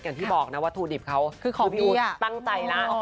อย่างที่บอกนะว่าธูดิบเขาคือพี่อู๋ตั้งใจนะ